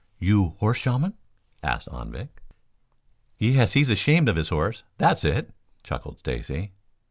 "You horse shaman?" asked Anvik. "Yes, he's ashamed of his horse, that's it," chuckled Stacy.